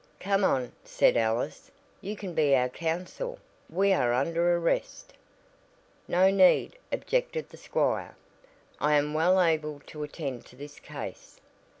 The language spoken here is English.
"Come on," said Alice, "you can be our counsel. We are under arrest." "No need," objected the squire, "I am well able to attend to this case."